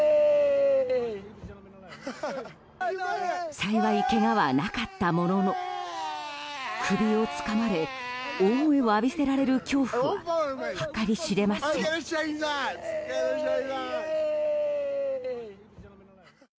幸い、けがはなかったものの首をつかまれ大声を浴びせられる恐怖ははかり知れません。